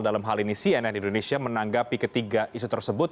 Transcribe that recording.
dalam hal ini cnn indonesia menanggapi ketiga isu tersebut